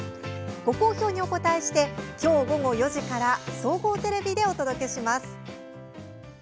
ご好評にお応えして今日午後４時から総合テレビでお届けします。